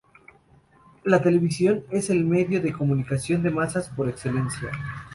La televisión es el medio de comunicación de masas por excelencia.